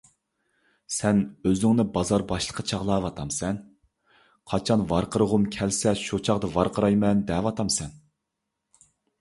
سەن ئۆزۈڭنى بازار باشلىقى چاغلاۋاتامسەن؟! قاچان ۋارقىرىغۇم كەلسە شۇ چاغدا ۋارقىرايمەن دەۋاتامسەن؟!